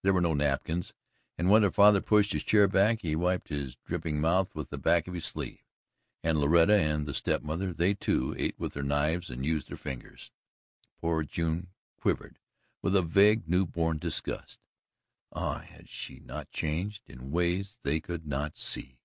There were no napkins and when her father pushed his chair back, he wiped his dripping mouth with the back of his sleeve. And Loretta and the step mother they, too, ate with their knives and used their fingers. Poor June quivered with a vague newborn disgust. Ah, had she not changed in ways they could not see!